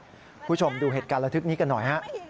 คุณผู้ชมดูเหตุการณ์ระทึกนี้กันหน่อยฮะ